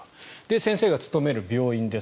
先生が勤める病院です。